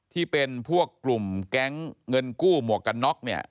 ที่เป็นพวกกลุ่มแก๊งเงินกู้หมวกกันน็อกเนี่ย